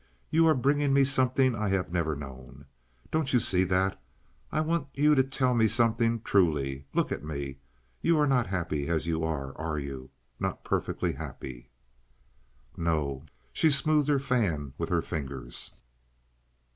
You are bringing me something I have never known. Don't you see that? I want you to tell me something truly. Look at me. You are not happy as you are, are you? Not perfectly happy?" "No." She smoothed her fan with her fingers.